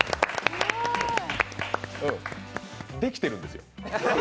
できてるんですよ。